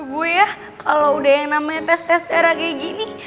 boy ya kalo udah yang namanya tes tes tera kayak gini